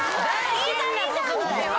いいじゃんいいじゃんみたいな。